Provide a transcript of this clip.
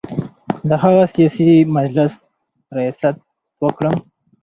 د هغه سیاسي مجلس ریاست وکړم.